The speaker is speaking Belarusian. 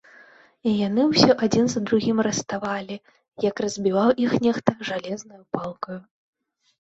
І яны ўсе адзін за другім раставалі, як разбіваў іх нехта жалезнаю палкаю.